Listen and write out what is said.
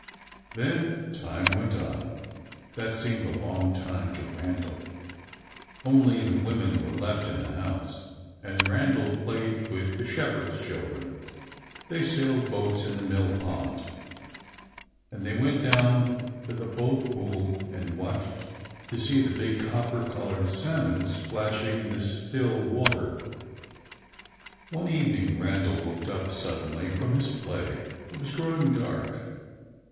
Then time went on; that seemed a long time to Randal. Only the women were left in the house, and Randal played with the shepherd's children. They sailed boats in the mill pond, and they went down to the boat pool and watched to see the big copper coloured salmon splashing in the still water. One evening Randal looked up suddenly from his play. It was growing dark.